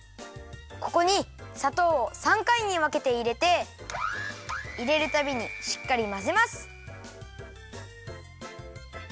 ここにさとうを３かいにわけていれていれるたびにしっかりまぜます！